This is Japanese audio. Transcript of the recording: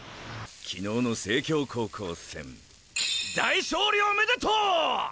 昨日の成京高校戦大勝利おめでとう！